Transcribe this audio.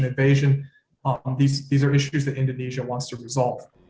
ini adalah masalah yang indonesia ingin menyelesaikan